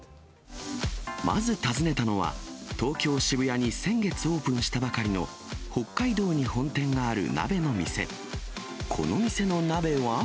まず訪ねたのは、東京・渋谷に先月オープンしたばかりの北海道に本店がある鍋の店。